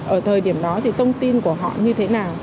ở thời điểm đó thì thông tin của họ như thế nào